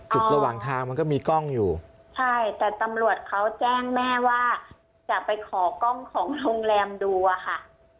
ระหว่างทางมันก็มีกล้องอยู่ใช่แต่ตำรวจเขาแจ้งแม่ว่าจะไปขอกล้องของโรงแรมดูอะค่ะ